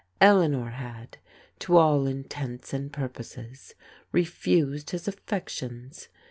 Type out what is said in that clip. Eleanor had, to all intents and purposes, refused his af fections.